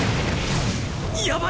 やばい！